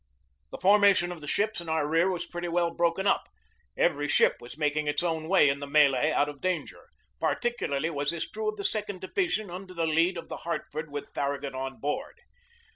The formation of the ships in our rear was pretty well broken up. Every ship was making its own 66 GEORGE DEWEY way in the melee out of danger. Particularly was this true of the second division, under the lead of the Hartford with Farragut on board.